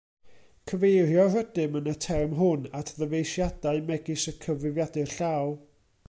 Cyfeirio rydym yn y term hwn at ddyfeisiadau megis y cyfrifiadur llaw.